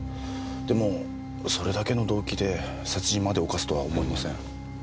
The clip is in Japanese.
でもそれだけの動機で殺人まで犯すとは思えません。